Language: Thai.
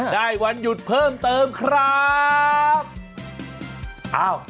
วันหยุดเพิ่มเติมครับ